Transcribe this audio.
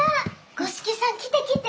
五色さん来て来て！